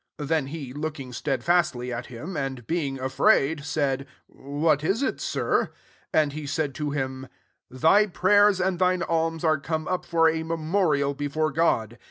'' 4 Then he, looking stedfastly at him, and being afraid, said, " What is it, Sir?" And he said to him, " Thy prayers and thine alms are come up for a memorial before God.